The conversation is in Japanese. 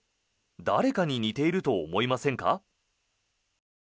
誰かに似ていると思いませんか？